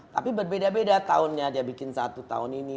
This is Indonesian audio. tapi berbeda beda tahunnya dia bikin satu tahun ini